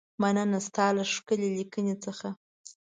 مننه ستا له ښکلې لیکنې څخه.